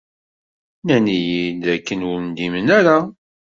Nnan-iyi-d dakken ur ndimen ara.